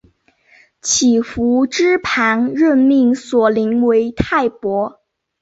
乞伏炽磐任命索棱为太傅。